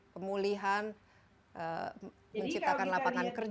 pemulihan menciptakan lapangan kerja